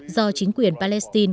do chính quyền palestine